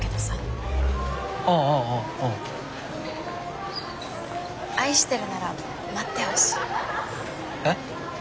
あぁあぁあぁあぁ。愛してるなら待ってほしい。え？